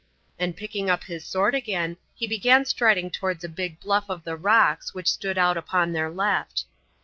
And picking up his sword again, he began striding towards a big bluff of the rocks which stood out upon their left.